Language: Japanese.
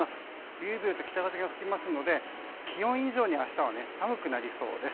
ビュービューと北風が吹くので気温以上に明日は寒くなりそうです。